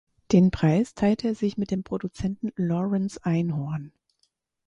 Den Preis teilte er sich mit dem Produzenten Lawrence Einhorn.